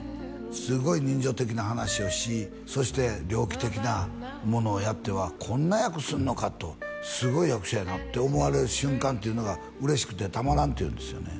すごい人情的な話をしそして猟奇的なものをやってはこんな役すんのかとすごい役者やなって思われる瞬間っていうのが嬉しくてたまらんっていうんですよね